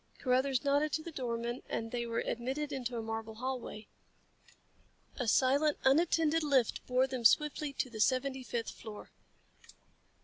Carruthers nodded to the doorman and they were admitted into a marble hallway. A silent, unattended lift bore them swiftly to the seventy fifth floor.